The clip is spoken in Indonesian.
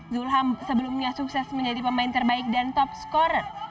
zulham sebelumnya sukses menjadi pemain terbaik dan top scorer